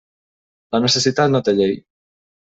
La necessitat no té llei.